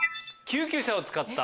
救急車を使った。